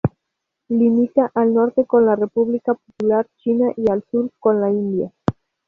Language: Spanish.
Limita al norte con la República Popular China y al sur con la India.